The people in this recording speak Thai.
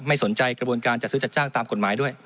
สนใจกระบวนการจัดซื้อจัดจ้างตามกฎหมายด้วย